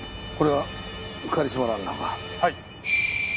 はい。